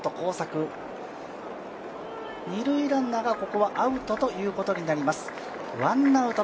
二塁ランナーが、ここはアウトということになります。